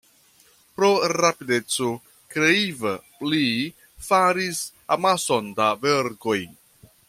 Pro rapideco kreiva li faris amason da verkoj.